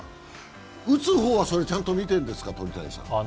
打つ方はそれをちゃんと見てるんですか？